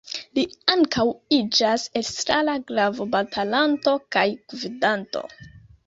Li ankaŭ iĝas elstara glavo-batalanto kaj gvidanto.